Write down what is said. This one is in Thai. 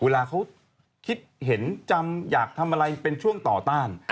เวลาเขาคิดเห็นจำอยากทำอะไรเป็นช่วงต่อต้าน